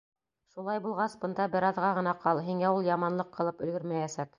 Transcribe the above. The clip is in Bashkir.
Шулай булғас, бында бер аҙға ғына ҡал. һиңә ул яманлыҡ ҡылып өлгөрмәйәсәк.